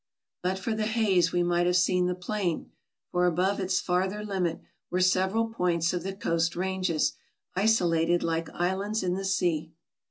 But for the haze we might have seen the plain ; for above its farther limit were several points of the Coast Ranges, isolated like islands in the sea.